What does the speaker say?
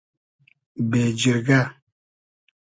بېجیرگۂ